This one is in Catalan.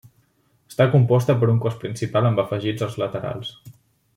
Està composta per un cos principal amb afegits als laterals.